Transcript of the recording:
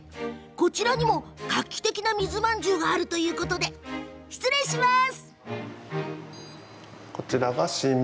こちらにも画期的な水まんじゅうがあるいうことで失礼します！